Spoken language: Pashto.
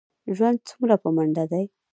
ژوند څومره په منډه دی.